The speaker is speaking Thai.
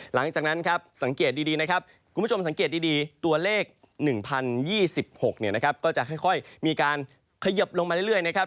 หลังจากนั้นครับสังเกตดีนะครับคุณผู้ชมสังเกตดีตัวเลข๑๐๒๖ก็จะค่อยมีการขยบลงมาเรื่อยนะครับ